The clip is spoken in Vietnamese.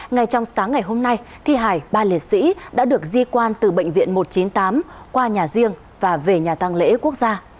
ngay trong sáng ngày hôm nay thi hải ba liệt sĩ đã được di quan từ bệnh viện một trăm chín mươi tám qua nhà riêng và về nhà tăng lễ quốc gia